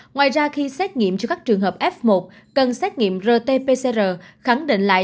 ngoài ra khi xét nghiệm cho các trường hợp f một cần xét nghiệm rt pcr khẳng định lại